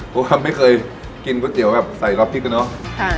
เพราะว่าไม่เคยกินกระเจี๋วแบบใส่รอบพริกนะเนอะค่ะ